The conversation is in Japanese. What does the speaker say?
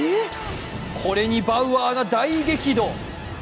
これにバウアーが大激怒。